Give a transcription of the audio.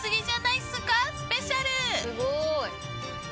すごーい！